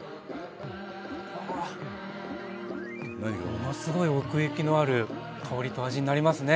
ものすごい奥行きのある香りと味になりますね。